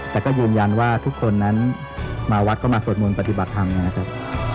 แต่ก็ยืนยันว่าทุกคนนั้นมาวัดก็มาสวดมนต์ปฏิบัติธรรมนะครับ